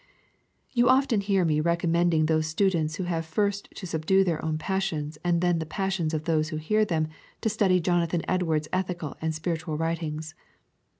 You often hear me recommending those students who have first to subdue their own passions and then the passions of those who hear them to study Jonathan Edwards' ethical and spiritual writings.